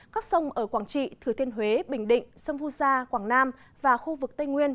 các sông ở quảng trị thừa thiên huế bình định sông vu gia quảng nam và khu vực tây nguyên